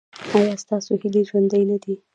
ایا ستاسو هیلې ژوندۍ نه دي؟